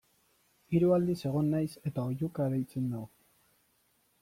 Hiru aldiz egon naiz eta oihuka deitzen nau.